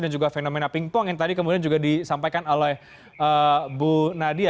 dan juga fenomena ping pong yang ketika juga disampaikan oleh bu nadia